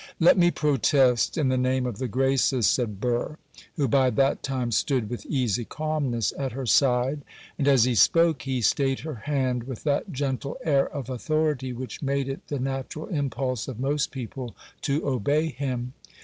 'Let me protest, in the name of the graces,' said Burr, who by that time stood with easy calmness at her side; and as he spoke he stayed her hand with that gentle air of authority which made it the natural impulse of most people to obey him.